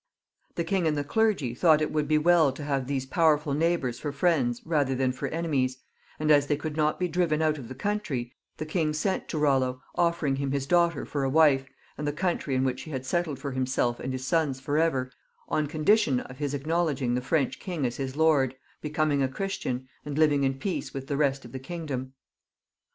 The king and the clergy thought it would he well to have these powerful neighbours for friends rather than for enemies, and as they could not be driven out of the country, the king sent to EoUo, offering him his daughter for a wife, and the country in which he had settled for himself and his sons for ever, on condition of his acknow ledging the French king as his lord, becoming a Christian, and living in peace with the rest of the kingdom.